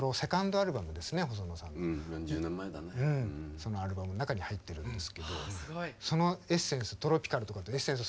そのアルバムの中に入ってるんですけどそのエッセンストロピカルとかっていうエッセンス